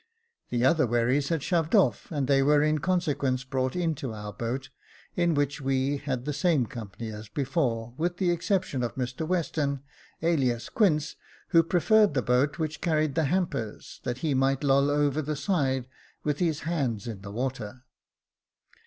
The other wherries had shoved ofl", and they were in consequence brought into our boat, in which we had the same company as before, with the exception of Mr Western, alias Quince, who preferred the boat which carried the hampers, that he might loll over the side, with his hands in the water.